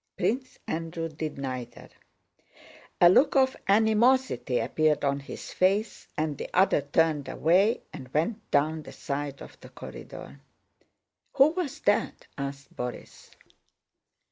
Prince Andrew did neither: a look of animosity appeared on his face and the other turned away and went down the side of the corridor. "Who was that?" asked Borís.